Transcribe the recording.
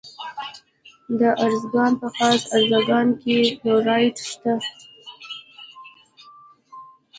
د ارزګان په خاص ارزګان کې فلورایټ شته.